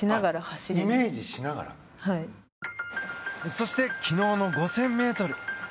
そして昨日の５０００ｍ。